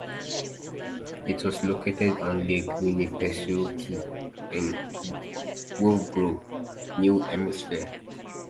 It was located on Lake Winnipesaukee in Wolfeboro, New Hampshire.